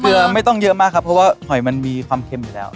ไม่ต้องเยอะมากครับเพราะว่าหอยมันมีความเค็มอยู่แล้ว